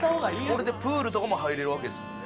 これでプールとかも入れるわけですもんね。